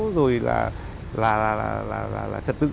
rồi là trật tự